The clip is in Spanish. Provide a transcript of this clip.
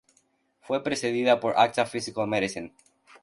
Fue precedida por "Acta Phys.-Med.